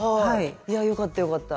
いやよかったよかった。